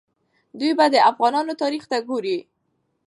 دوی به د افغانانو تاریخ ته ګوري.